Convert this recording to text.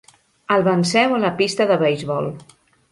El venceu a la pista de beisbol.